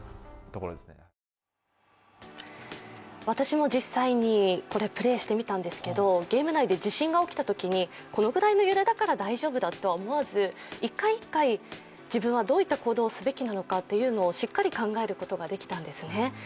私も実際にプレーしてみたんですけど、ゲーム内で地震が起きたときにこのぐらいの揺れだから大丈夫だ、とは思わずに一回一回自分はどういった行動をすべきなのかというのをしっかり考えることができたんですね。